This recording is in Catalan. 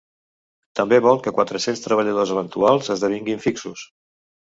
També vol que quatre-cents treballadors eventuals esdevinguin fixos.